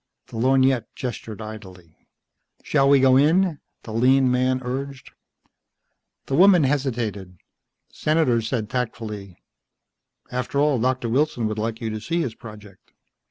The lorgnette gestured idly. "Shall we go in?" the lean man urged. The woman hesitated. Senator said tactfully, "After all, Doctor Wilson would like you to see his project."